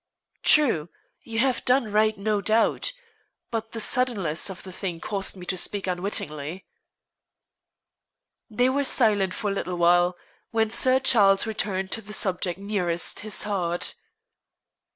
"True. You have done right, no doubt. But the suddenness of the thing caused me to speak unwittingly." They were silent for a little while, when Sir Charles returned to the subject nearest his heart.